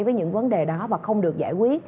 với những vấn đề đó và không được giải quyết